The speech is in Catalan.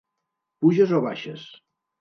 Puges o baixes?